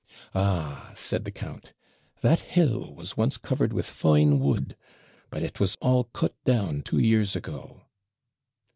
'Ah!' said the count, 'that hill was once covered with fine wood; but it was all cut down two years ago.'